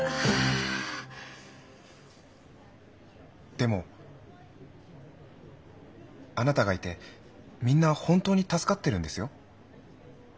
でもあなたがいてみんな本当に助かってるんですよ。